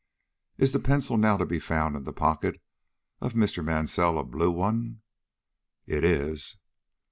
"Is the pencil now to be found in the pocket of Mr. Mansell a blue one?" "It is."